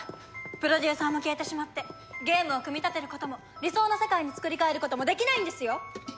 プロデューサーも消えてしまってゲームを組み立てることも理想の世界につくり変えることもできないんですよ！？